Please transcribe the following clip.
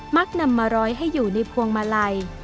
ักนำมาร้อยให้อยู่ในพวงมาลัย